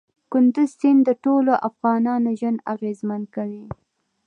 کندز سیند د ټولو افغانانو ژوند اغېزمن کوي.